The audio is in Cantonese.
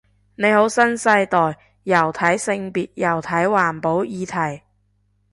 你好新世代，又睇性別又睇環保議題